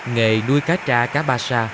nghề nuôi cá tra cá ba sa